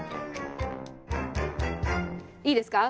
いいですか？